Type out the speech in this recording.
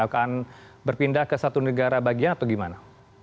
akan berpindah ke satu negara bagian atau gimana